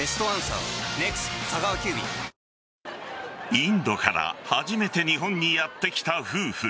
インドから初めて日本にやってきた夫婦。